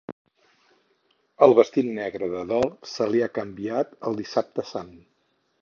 El vestit negre de dol se li ha canviat el Dissabte Sant.